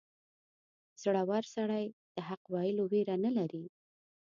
• زړور سړی د حق ویلو ویره نه لري.